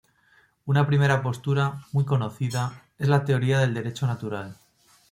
Una primera postura, muy conocida, es la teoría del Derecho Natural.